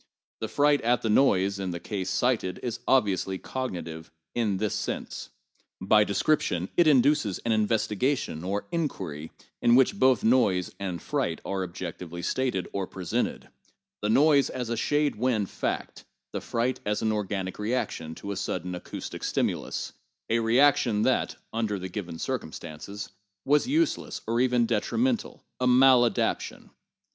The fright at the noise in the case cited is obviously cognitive, in this sense. By description, it induces an investigation or inquiry in which both noise and fright are objectively stated or presentedŌĆö the noise as a shade wind fact, the fright as an organic reaction to a sudden acoustic stimulus, a reaction which under the given circumstances was useless or even detrimental, a maladaptation.